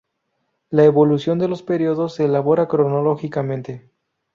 La evolución de los periodos se elabora cronológicamente.